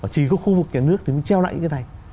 chỉ có khu vực nhà nước thì mới treo lại những cái này